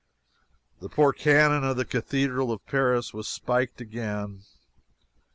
The poor canon of the cathedral of Paris was spiked again.